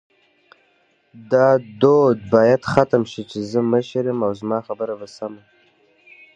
دا دود باید ختم شې چی زه مشر یم او زما خبره به سمه